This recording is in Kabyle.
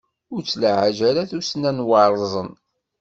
Ur ttlaɛej ara tussna n waṛẓen!